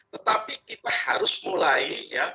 tetapi kita harus menerapkannya